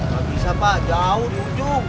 gak bisa pak jauh nih